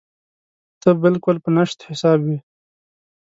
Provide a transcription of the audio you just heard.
ته بالکل په نشت حساب وې.